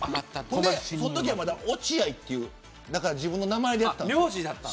そのときは、まだ落合という自分の名前でやっていた。